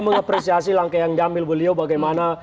mengapresiasi langkah yang diambil beliau bagaimana